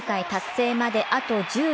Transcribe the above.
成まであと１４。